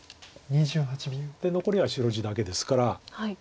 で残りは白地だけですから。